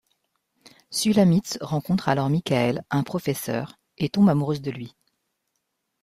Sulamit rencontre alors Michael, un professeur, et tombe amoureuse de lui.